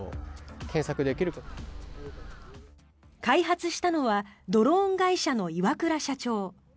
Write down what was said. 開発したのはドローン会社の岩倉社長。